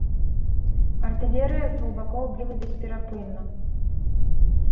Артылерыя з двух бакоў біла бесперапынна.